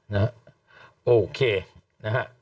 นะฮะโอเคนะฮะ